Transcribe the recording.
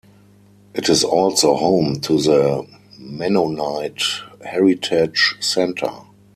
It is also home to the Mennonite Heritage Center.